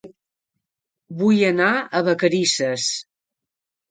Vull anar a Vacarisses